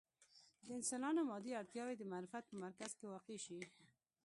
د انسانانو مادي اړتیاوې د معرفت په مرکز کې واقع شي.